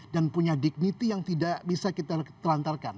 dan punya dignity yang tidak bisa kita terlantarkan